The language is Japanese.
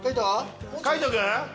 海人君？